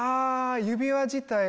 指輪自体は。